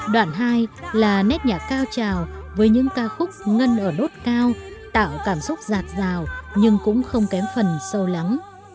đoạn hai là nét nhạc cao trào với những ca khúc ngân ở nốt cao tạo cảm xúc giạt rào nhưng cũng không kém phần sâu lắng